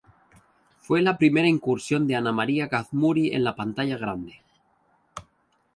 Fue la primera incursión de Ana María Gazmuri en la pantalla grande.